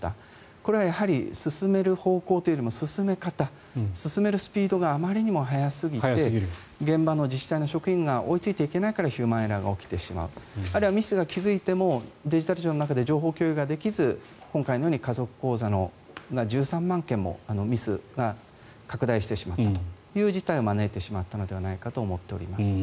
これはやはり進める方向というよりも進め方進めるスピードがあまりにも速すぎて現場の自治体の職員が追いついていけないからヒューマンエラーが起きてしまうあるいはミスに気付いてもデジタル庁の中で情報共有ができず今回のように家族口座の１３万件もミスが拡大してしまったという事態を招いてしまったのではないかと思っております。